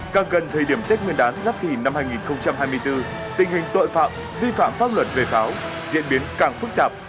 càng gần thời điểm tết nguyên đán giáp thìn năm hai nghìn hai mươi bốn tình hình tội phạm vi phạm pháp luật về pháo diễn biến càng phức tạp